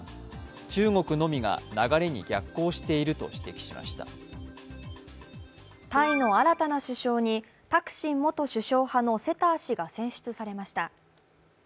中国のみが流れに逆行していると指摘しましたタイの新たな首相にタクシン元首相のセター氏が選出されました。